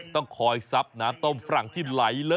ต้องคอยสาธิตวิธีก้าน้ำต้มฝรั่งที่ไหล